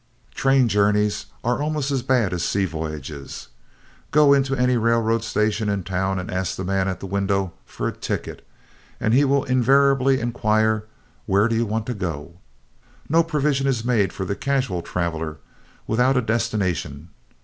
Train journeys are almost as bad as sea voyages. Go into any railroad station in town and ask the man at the window for a ticket and he will invariably inquire "Where do you want to go?" No provision is made for the casual traveler without a destination.